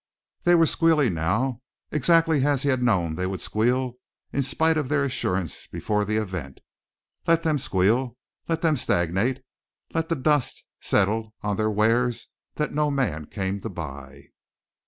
They were squealing now, exactly as he had known they would squeal in spite of their assurance before the event. Let them squeal, let them stagnate, let dust settle on their wares that no man came to buy.